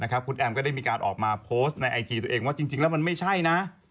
คุณแอมก็ได้มีการออกมาโพสต์ในไอจีตัวเองว่าจริงแล้วมันไม่ใช่นะ